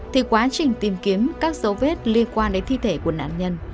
thì quá trình tìm kiếm các dấu vết liên quan đến thi thể của nạn nhân